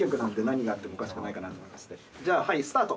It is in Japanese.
じゃあはいスタート。